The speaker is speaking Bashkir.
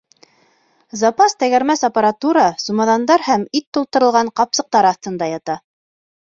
Запас тәгәрмәс аппаратура, сумаҙандар һәм ит тултырылған ҡапсыҡтар аҫтында ята.